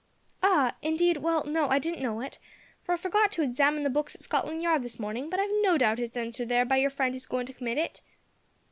"Ah! indeed, well no, I didn't know it, for I forgot to examine the books at Scotland Yard this morning, but I've no doubt it's entered there by your friend who's goin' to commit it."